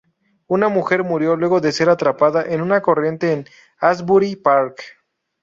Una mujer murió luego de ser atrapada en una corriente en Asbury Park.